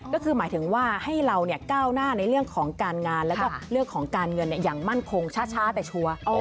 ก็คือหมายถึงว่าให้เราก้าวหน้าในเรื่องของการงานแล้วก็เรื่องของการเงินอย่างมั่นคงช้าแต่ชัวร์